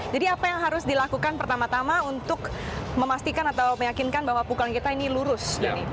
jadi apa yang harus dilakukan pertama tama untuk memastikan atau meyakinkan bahwa pukulan kita ini lurus